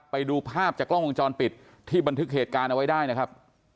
ไปดูภาพจากกล้องวงจรปิดที่บันทึกเหตุการณ์เอาไว้ได้นะครับ